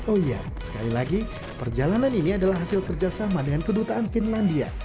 oh iya sekali lagi perjalanan ini adalah hasil kerjasama dengan kedutaan finlandia